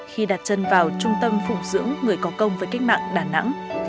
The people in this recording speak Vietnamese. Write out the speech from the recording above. khi đặt chân vào trung tâm phụng dưỡng người có công với cách mạng